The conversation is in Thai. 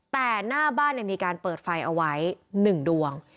แต่หน้าบ้านมีการเปิดไฟเอาไว้๑ดวง